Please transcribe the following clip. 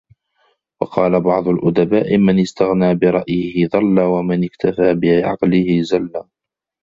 وَقَالَ بَعْضُ الْأُدَبَاءِ مَنْ اسْتَغْنَى بِرَأْيِهِ ضَلَّ ، وَمَنْ اكْتَفَى بِعَقْلِهِ زَلَّ